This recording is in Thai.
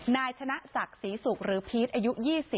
นายชนะศักดิ์ศรีศุกร์หรือพีชอายุ๒๐